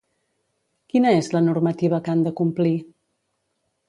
Quina és la normativa que han de complir?